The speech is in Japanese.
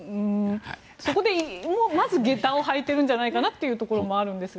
そこでまず下駄を履いているんじゃないかなという気がするんですが。